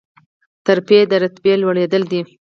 ترفیع د رتبې لوړیدل دي